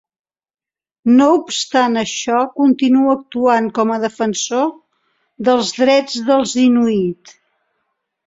No obstant això, continua actuant com a defensor dels drets dels inuit.